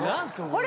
これ。